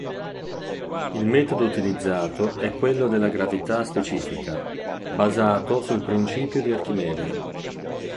Il metodo utilizzato è quello della gravità specifica, basato sul principio di Archimede.